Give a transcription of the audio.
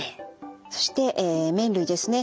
そしてえ麺類ですね。